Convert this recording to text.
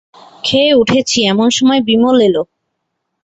খেয়ে উঠেছি এমন সময় বিমল এল।